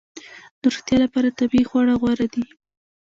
د روغتیا لپاره طبیعي خواړه غوره دي